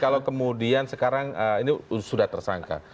kalau kemudian sekarang ini sudah tersangka